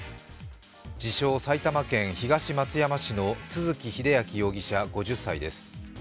自称・埼玉県東松山市の都築英明容疑者です。